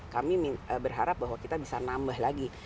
kami berharap bahwa kita bisa nambah lagi